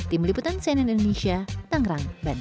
tim liputan cnn indonesia tangerang banten